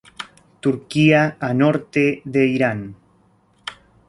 Turquía a norte de Irán.